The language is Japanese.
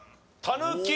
たぬき？